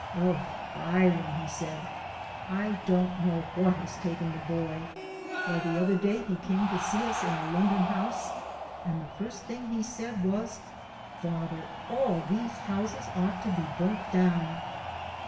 " Oh, Bryan," he said, '" I don't know what has taken the boy. Why the other day he came to see us in our London house, and the first thing he said was * Father, all these houses ought to be burnt down.'